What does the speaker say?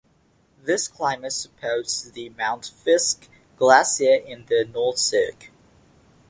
This climate supports the Mount Fiske Glacier in the north cirque.